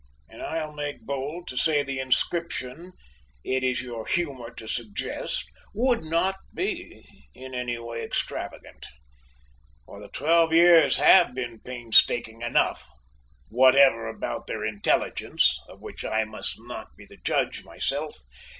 And I'll make bold to say the inscription it is your humour to suggest would not be anyway extravagant, for the twelve years have been painstaking enough, whatever about their intelligence, of which I must not be the judge myself."